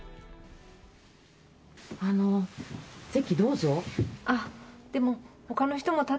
あの、席どうぞ。